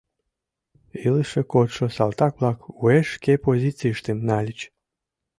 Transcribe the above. Илыше кодшо салтак-влак уэш шке позицийыштым нальыч.